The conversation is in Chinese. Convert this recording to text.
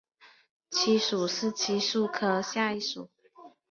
漆属是漆树科下一属。